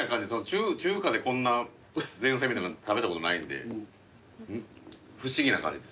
中華で前菜みたいなの食べたことないんで不思議な感じです。